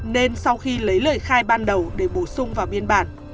nên sau khi lấy lời khai ban đầu để bổ sung vào biên bản